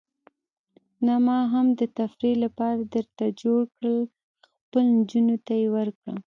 نه، ما هم د تفریح لپاره درته جوړ کړل، خپلو نجونو ته یې ورکړه.